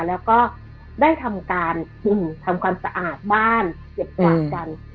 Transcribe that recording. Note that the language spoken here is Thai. แล้วก็ได้ทำการกินทำความสะอาดบ้านเก็บกวาดกัน